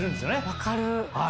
分かる。